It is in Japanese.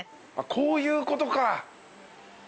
こういうことか。